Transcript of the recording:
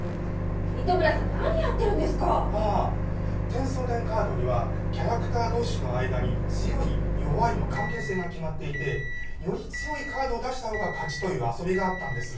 『テンソーデン』カードにはキャラクター同士の間に強い弱いの関係性が決まっていてより強いカードを出したほうが勝ちという遊びがあったんです。